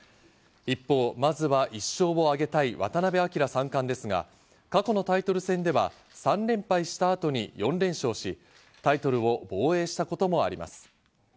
一方、まずは１勝をあげたい渡辺明三冠ですが、過去のタイトル戦では３連敗した後に４連勝し、タイトルを防衛したこともあります。